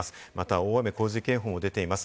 大雨洪水警報も出ています。